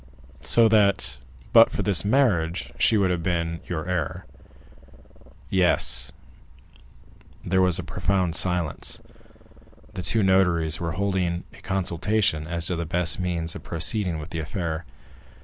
"So that, but for this marriage, she would have been your heir?" "Yes." There was a profound silence. The two notaries were holding a consultation as to the best means of proceeding with the affair.